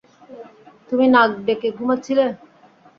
তুমি নাক ডেকে ঘুমাচ্ছিলে।